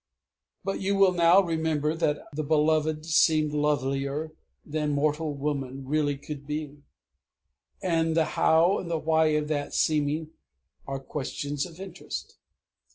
But you will now remember that the beloved seemed lovelier than mortal woman really could be; and the how and the why of that seeming are questions of interest.